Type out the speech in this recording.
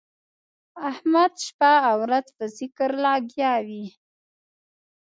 احمد شپه او ورځ په ذکر لګیا وي.